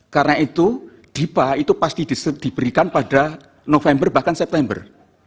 karena itu dipa itu pasti diberikan pada november bahkan september